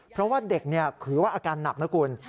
เพราะว่าเด็กถือว่าอาการหนักนะคุณ